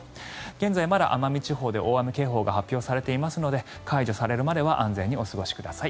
現在、まだ奄美地方で大雨警報が発表されていますので解除されるまでは安全にお過ごしください。